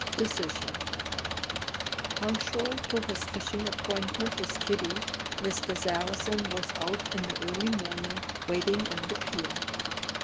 Decision. Punctual to his fishing appointment with Kitty, Mr. Sarrazin was out in the early morning, waiting on the pier.